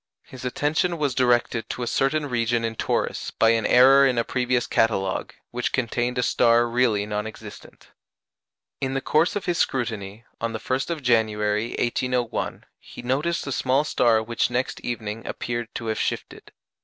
His attention was directed to a certain region in Taurus by an error in a previous catalogue, which contained a star really non existent. In the course of his scrutiny, on the 1st of January, 1801, he noticed a small star which next evening appeared to have shifted.